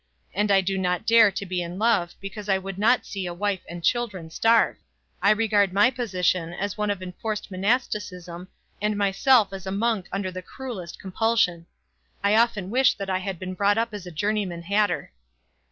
And I do not dare to be in love because I would not see a wife and children starve. I regard my position as one of enforced monasticism, and myself as a monk under the cruellest compulsion. I often wish that I had been brought up as a journeyman hatter."